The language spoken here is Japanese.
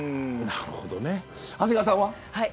長谷川さんは。